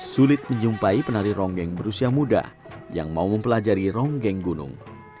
sulit menjumpai penari ronggeng berusia muda yang mau mempelajari ronggeng gunung